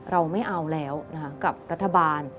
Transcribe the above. เราไม่เอาแล้วนะคะกับรัฐบาล